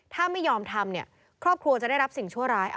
ถ้าไม่ยอมทำครอบครัวจะได้รับสิ่งชั่วร้าย